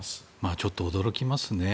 ちょっと驚きますね。